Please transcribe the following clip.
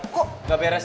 kok gak beres